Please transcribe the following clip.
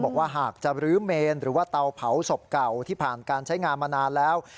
บอกว่าหากจะรื้อเมนหรือว่าเตาเผาศพเก่าที่ผ่านการใช้งานมานานแล้ว